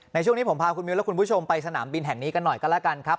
ในช่วงนี้ผมพาคุณมิวและคุณผู้ชมไปสนามบินแห่งนี้กันหน่อยก็แล้วกันครับ